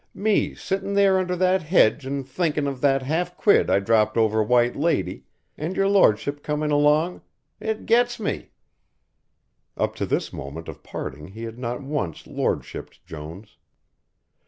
Me sittin' there under that hedge an' thinkin' of that half quid I dropped over 'White Lady' and your lor'ship comin' along It gets me!" Up to this moment of parting he had not once Lordshipped Jones.